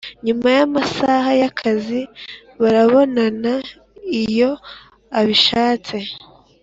nyuma y amasaha y akazi barabonana iyo abishatse